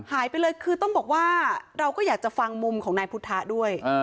หายไปเลยคือต้องบอกว่าเราก็อยากจะฟังมุมของนายพุทธะด้วย